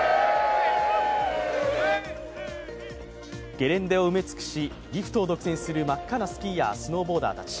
ゲレンデを埋め尽くし、リフトを埋め尽くす真っ赤なスキーヤー、スノーボーダーたち。